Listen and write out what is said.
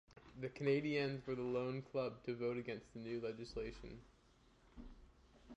The Canadiens were the lone club to vote against the new legislation.